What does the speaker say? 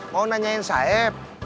mau nanyain saeb